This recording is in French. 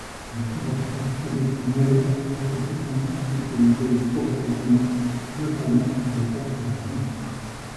Les caractères traditionnels restent cependant utilisés sporadiquement, notamment sur les cartes de visite.